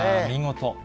見事。